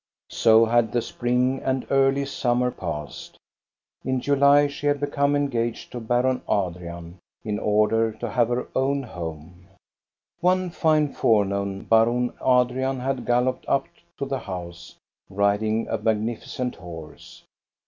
So had the spring and early summer passed. In July she had become engaged to Baron Adrian, in order to have her own home. One fine forenoon Baron Adrian had galloped up to the house, riding a magnificent horse.